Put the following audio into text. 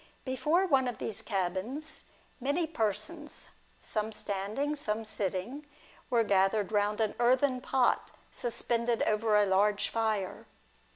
Before one of these cabins, many persons, some standing, some sitting, were gathered round an earthen pot suspended over a large fire.